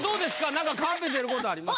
何かカンペ出ることあります？